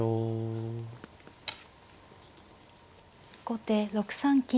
後手６三金。